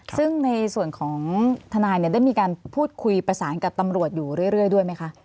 ซึ่งในส่วนของทนายเนี่ยได้มีการพูดคุยประสานกับตำรวจอยู่เรื่อยด้วยไหมคะ